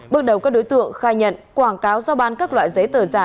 bước đầu các đối tượng khai nhận quảng cáo do ban các loại giấy tờ giả